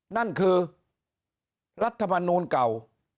นั่นคือรัฐมนูลเก่า